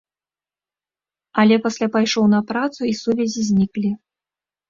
Але пасля пайшоў на працу, і сувязі зніклі.